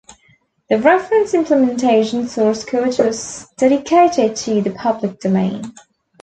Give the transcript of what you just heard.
The reference implementation source code was dedicated to the public domain.